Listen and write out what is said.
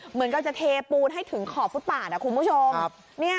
เหมือนกับจะเทปูนให้ถึงขอบฟุตปาดนะคุณผู้ชม